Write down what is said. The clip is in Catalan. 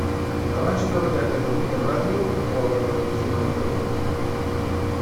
Abans treballà a Catalunya Ràdio o a la Televisió de Mataró.